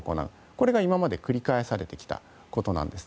これが今まで繰り返されてきたことなんです。